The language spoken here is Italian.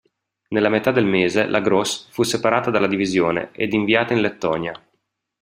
Nella metà del mese, la "Gross" fu separata dalla divisione, ed inviata in Lettonia.